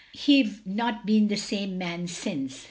' He 've not been the same man since.